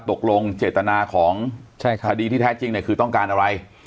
ตกลงเจตนาของคดีที่แท้จริงเนี่ยคือต้องการอะไร